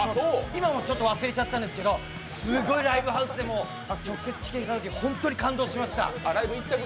今はちょっと忘れちゃったんですけど、ライブハウスでも直接聴けたときすごく感動しました！